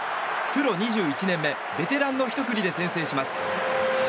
プロ２１年目、ベテランのひと振りで先制します。